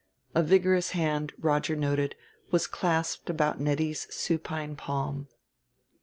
A vigorous hand, Roger noted, was clasped about Nettie's supine palm.